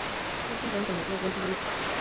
No contaron los goles de visita.